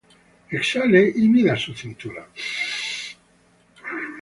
exhale y mida su cintura